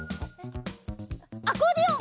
アコーディオン！